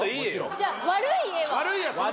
じゃあ悪い家は？